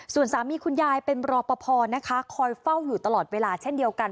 ส่วนสามีคุณยายเป็นรอปภนะคะคอยเฝ้าอยู่ตลอดเวลาเช่นเดียวกัน